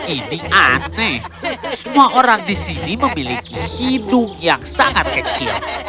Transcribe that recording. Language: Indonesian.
ini aneh semua orang di sini memiliki hidung yang sangat kecil